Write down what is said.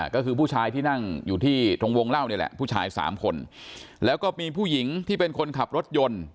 ก็คือผู้ชายที่นั่งอยู่ที่ตรงวงเล่านี่แหละผู้ชายสามคนแล้วก็มีผู้หญิงที่เป็นคนขับรถยนต์